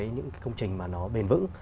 những cái công trình mà nó bền vững